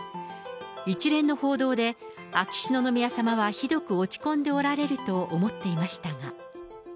一連の報道で、秋篠宮さまはひどく落ち込んでおられると思っていましたが。